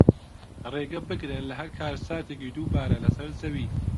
ڕێگەبگرن لە هەر کارەساتێکی دووبارە لەسەر زەوی